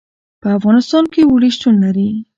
په افغانستان کې اوړي شتون لري.